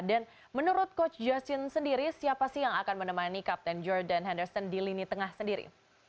dan menurut coach justin sendiri siapa sih yang akan menemani kapten jordan henderson di lini tengah sendiri